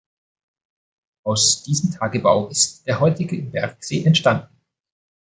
Aus diesem Tagebau ist der heutige Bergsee entstanden.